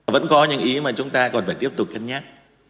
vẫn có những ý mà chúng ta còn phải tiếp tục cân nhắc